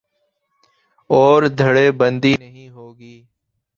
اور دھڑے بندی نہیں ہو گی۔